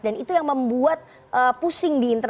dan itu yang membuat pusing di internet